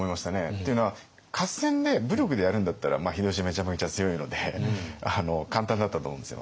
っていうのは合戦で武力でやるんだったら秀吉めちゃめちゃ強いので簡単だったと思うんですよ。